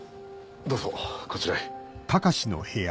どうぞこちらへ。